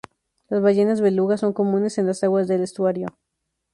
Las ballenas beluga son comunes en las aguas del estuario.